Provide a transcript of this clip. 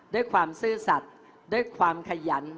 ด้วยความซื่อสัตว์ด้วยความขยัน